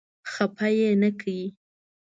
خپه یې نه کړ.